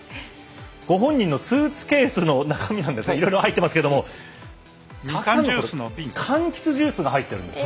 ご本人のスーツケースの中身なんですがいろいろ入ってますけどもたくさんのこれかんきつジュースが入っているんです。